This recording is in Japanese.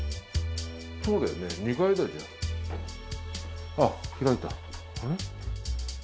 そうだよね２階だじゃあ。